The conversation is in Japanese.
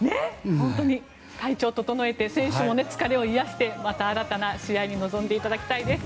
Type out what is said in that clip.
本当に体調を整えて選手も疲れを癒やしてまた新たな試合に臨んでいただきたいです。